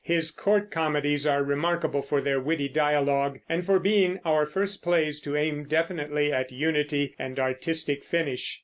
His court comedies are remarkable for their witty dialogue and for being our first plays to aim definitely at unity and artistic finish.